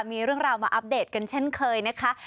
มีเรื่องราวมาอัปเดตกันเช่นเคยนะคะ